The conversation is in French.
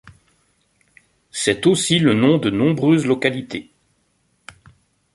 C'est aussi le nom de nombreuses localités.